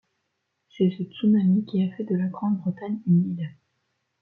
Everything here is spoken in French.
C'est ce tsunami qui a fait de la Grande-Bretagne une île.